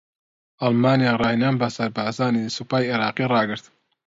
ئەڵمانیا راھێنان بە سەربازانی سوپای عێراقی راگرت